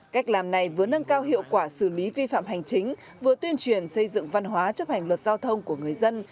cách làm này vừa nâng cao hiệu quả xử lý vi phạm hành chính vừa tuyên truyền xây dựng văn hóa chấp hành luật giao thông của người dân